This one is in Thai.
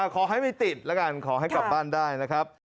ขอให้ไม่ติดแล้วกันขอให้กลับบ้านได้นะครับ